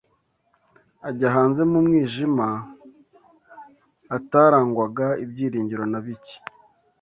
ajya hanze mu mwijima hatarangwaga ibyiringiro na bike.